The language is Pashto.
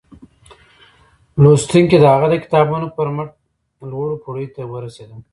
لوستونکي د هغه د کتابونو پر مټ لوړو پوړيو ته ورسېدل